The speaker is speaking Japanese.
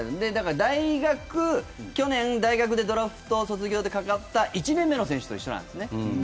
去年、大学でドラフト卒業でかかった１年目の選手と一緒なんです。